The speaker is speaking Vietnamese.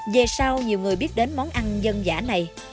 về sau nhiều người biết đến món ăn dân giả này